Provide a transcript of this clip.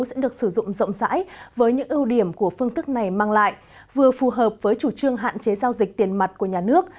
sẽ được sử dụng rộng rãi với những ưu điểm của phương thức này mang lại vừa phù hợp với chủ trương hạn chế giao dịch tiền mặt của nhà nước